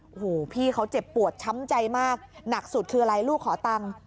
โอ้โหพี่เขาเจ็บปวดช้ำใจมากหนักสุดคืออะไรลูกขอตังค์